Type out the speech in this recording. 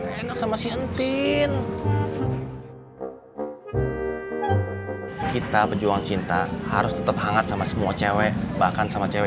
enak sama si entin kita pejuang cinta harus tetap hangat sama semua cewek bahkan sama cewek